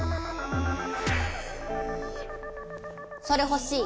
それほしい。